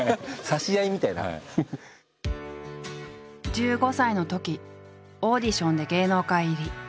１５歳のときオーディションで芸能界入り。